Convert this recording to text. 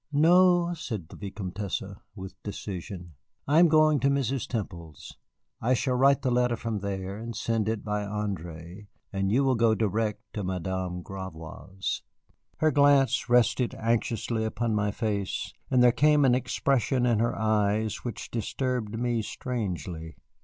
"No," said the Vicomtesse, with decision, "I am going to Mrs. Temple's. I shall write the letter from there and send it by André, and you will go direct to Madame Gravois's." Her glance rested anxiously upon my face, and there came an expression in her eyes which disturbed me strangely.